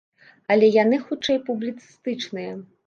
Але яна хутчэй публіцыстычная.